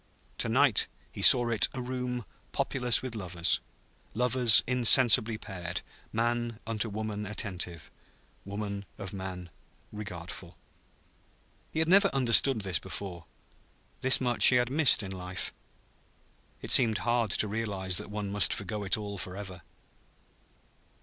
To night he saw it a room populous with lovers, lovers insensibly paired, man unto woman attentive, woman of man regardful. He had never understood this before. This much he had missed in life. It seemed hard to realize that one must forego it all for ever.